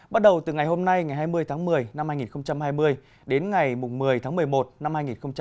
bắt đầu từ ngày hôm nay ngày hai mươi tháng một mươi năm hai nghìn hai mươi đến ngày một mươi tháng một mươi một năm hai nghìn hai mươi